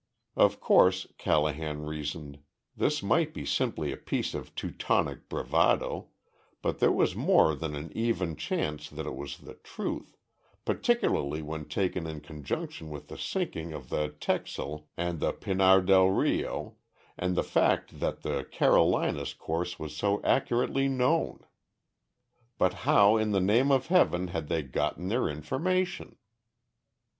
Of course, Callahan reasoned, this might be simply a piece of Teutonic bravado but there was more than an even chance that it was the truth, particularly when taken in conjunction with the sinking of the Texel and the Pinar del Rio and the fact that the Carolina's course was so accurately known. But how in the name of Heaven had they gotten their information?